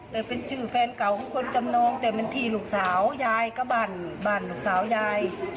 แต่เป็นชื่อแฟนเก่าของคนจำนองแต่มันที่ลูกสาวยายก็บ้านบ้านลูกสาวยาย